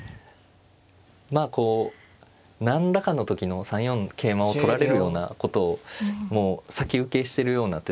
まあこう何らかの時の３四の桂馬を取られるようなことをもう先受けしてるような手で。